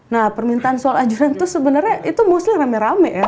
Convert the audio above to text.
nah permintaan soal ajuran itu sebenarnya itu mostly rame rame ya